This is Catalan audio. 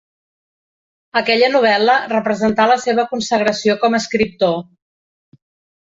Aquella novel·la representà la seva consagració com a escriptor.